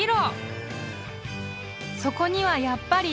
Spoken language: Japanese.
［そこにはやっぱり］